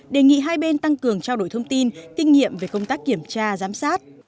đề nghị hai bên tăng cường trao đổi thông tin kinh nghiệm về công tác kiểm tra giám sát